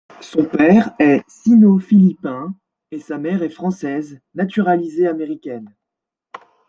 Son père est Sino-Philippin et sa mère est française naturalisée américaine.